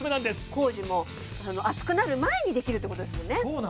工事も暑くなる前にできるってことですもんね